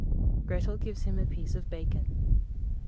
Grettel gives him a piece of bacon.